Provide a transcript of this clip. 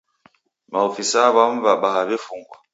Maofisaa w'amu w'abaa w'efungwa.